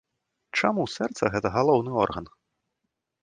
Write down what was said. Чаму сэрца гэта галоўны орган?